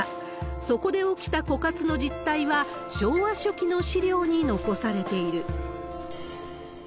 そこで起きた枯渇の実態は、昭和初期の資料に残されている。